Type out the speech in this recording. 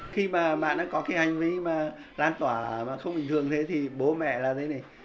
khi mà bạn đã có cái hành vi mà lan tỏa và không bình thường thế thì bố mẹ là thế này